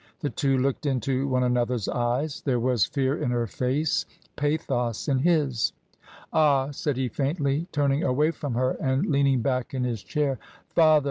The two looked into one another's eyes. There was fear in her face, pathos in his. "Ah!" said he, faintly, turning away from her and leaning back in his chair. " Father